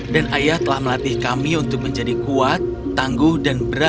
dan ayah telah melatih kami untuk menjadi kuat tangguh dan brutal